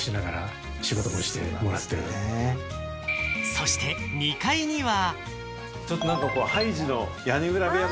そして２階には。